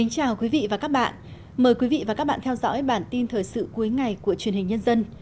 chào mừng quý vị đến với bản tin thời sự cuối ngày của truyền hình nhân dân